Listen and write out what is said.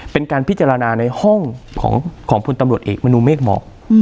เป็นการพิจารณาในห้องของพลตำรวจเอกมนุเมฆเหมาะ